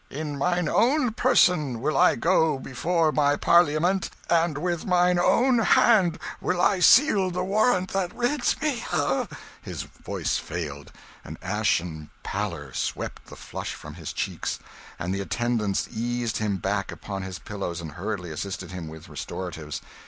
In mine own person will I go before my Parliament, and with mine own hand will I seal the warrant that rids me of " His voice failed; an ashen pallor swept the flush from his cheeks; and the attendants eased him back upon his pillows, and hurriedly assisted him with restoratives.